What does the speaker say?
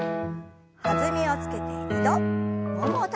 弾みをつけて２度ももをたたいて。